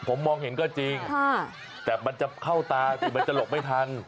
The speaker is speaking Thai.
ผมมองเห็นก็จริงแต่มันจะเข้าตาสิมันจะหลบไม่ทัน